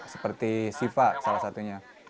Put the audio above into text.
seperti siva salah satunya